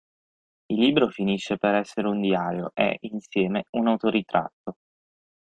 Il libro finisce per essere un diario e, insieme, un autoritratto.